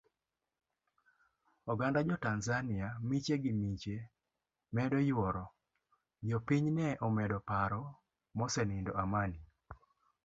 Oganda jo tanzania miche gimiche medo yuoro jopiny ne omedo paro mosenindo Amani.